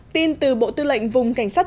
tin từ bộ tư lệnh vùng cảnh sát